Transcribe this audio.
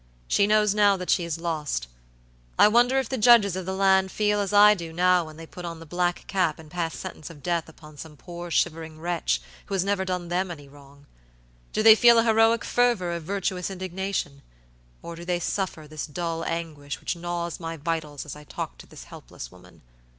"She knows now that she is lost. I wonder if the judges of the land feel as I do now when they put on the black cap and pass sentence of death upon some poor, shivering wretch, who has never done them any wrong. Do they feel a heroic fervor of virtuous indignation, or do they suffer this dull anguish which gnaws my vitals as I talk to this helpless woman?"